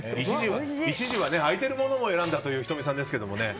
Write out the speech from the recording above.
一時は開いているものを選んだという仁美さんですけどね。